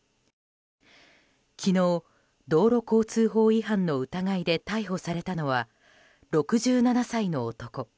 昨日、道路交通法違反の疑いで逮捕されたのは６７歳の男。